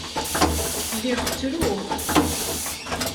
Lliɣ ttruɣ.